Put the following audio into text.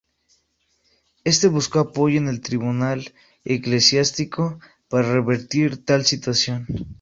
Éste buscó apoyo en el tribunal eclesiástico para revertir tal situación.